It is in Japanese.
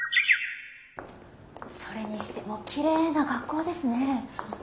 それにしてもきれいな学校ですね。